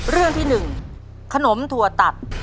เรื่องที่๑ขนมถั่วตัด